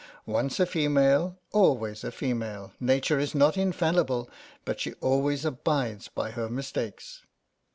Once a female, always a female. Nature is not infallible, but she always abides by her mistakes.